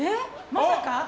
まさか。